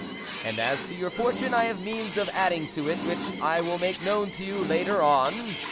and as to your fortune, I have means of adding to it which I will make known to you later on